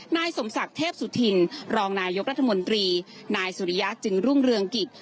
นายสมศักดิ์เทพสุธินรองนายกรัฐมนตรีนายสุริยะจึงรุ่งเรืองกิจ